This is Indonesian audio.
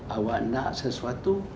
anda ingin sesuatu